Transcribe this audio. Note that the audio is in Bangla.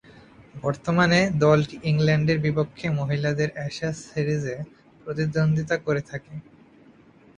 বর্তমানে দলটি ইংল্যান্ডের বিপক্ষে মহিলাদের অ্যাশেজ সিরিজে প্রতিদ্বন্দ্বিতা করে থাকে।